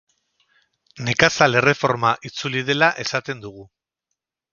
Nekazal erreforma itzuli dela esaten dugu.